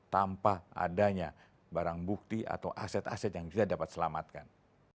tanpa adanya barang bukti atau aset aset yang kita dapat selamatkan